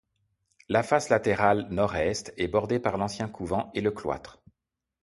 La face latérale Nord-Est est bordée par l'ancien couvent et le cloître.